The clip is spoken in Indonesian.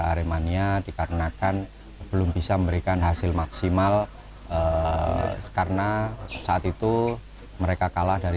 aremania dikarenakan belum bisa memberikan hasil maksimal karena saat itu mereka kalah dari